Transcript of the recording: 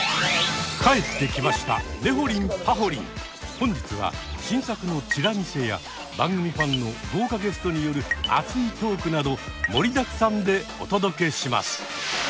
本日は新作のチラ見せや番組ファンの豪華ゲストによる熱いトークなど盛りだくさんでお届けします！